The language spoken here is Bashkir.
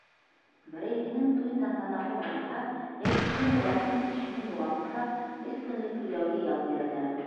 Берәйһенең туй тантанаһы булһа йәки кемдер яҡын кешеһен юғалтһа, өс көнлөк түләүле ял бирәләр.